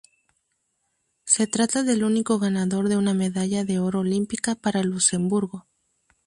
Se trata del único ganador de una medalla de oro olímpica para Luxemburgo.